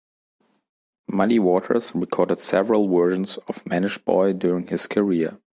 Muddy Waters recorded several versions of "Mannish Boy" during his career.